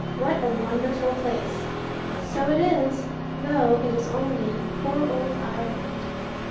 What a wonderful place! So it is: though it is only poor old Ireland.